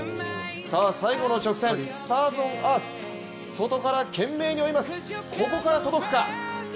最後の直線、スターズオンアース外から懸命に追います、ここから届くか。